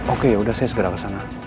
oke yaudah saya segera kesana